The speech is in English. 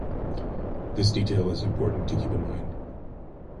This detail is important to keep in mind.